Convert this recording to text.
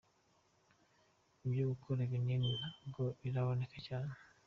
Ibyo gukora ibinini ntabwo biraboneka cyane.